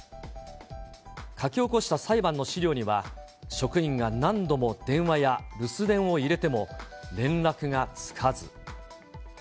書き起こした裁判の資料には、職員が何度も電話や留守電を入れても、連絡がつかず。